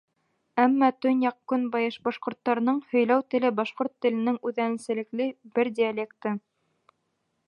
Әммә төньяҡ-көнбайыш башҡорттарының һөйләү теле башҡорт теленең үҙенсәлекле бер диалекты.